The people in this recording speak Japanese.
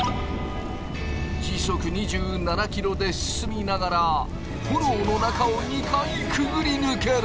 時速２７ｋｍで進みながら炎の中を２回くぐり抜ける。